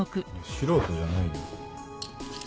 素人じゃないよ。